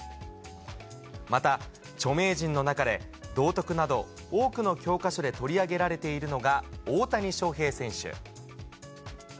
また、著名人の中で、道徳など、多くの教科書で取り上げられているのが大谷翔平選手。